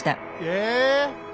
え